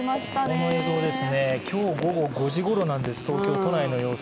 この映像、今日午後５時ごろなんです東京都内の様子。